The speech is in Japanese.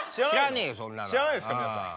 知らないっすか皆さん。